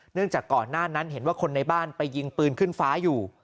จากก่อนหน้านั้นเห็นว่าคนในบ้านไปยิงปืนขึ้นฟ้าอยู่